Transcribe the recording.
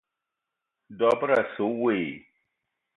Dob-ro asse we i?